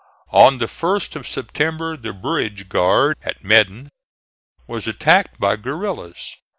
On the 1st of September the bridge guard at Medon was attacked by guerillas.